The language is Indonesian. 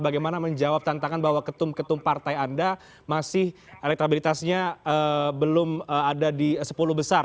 bagaimana menjawab tantangan bahwa ketum ketum partai anda masih elektabilitasnya belum ada di sepuluh besar